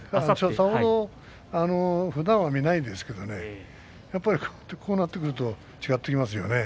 さほどふだんは見ないですけどもね、こうなってくると違ってきますよね。